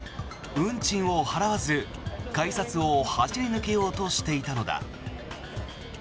実はこの男性運賃を払わず改札を走り抜けようとしていたのだ。